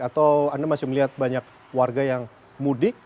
atau anda masih melihat banyak warga yang mudik